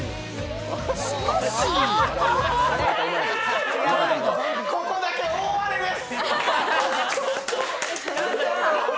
しかしここだけ大荒れです！